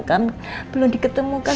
kan belum diketemukan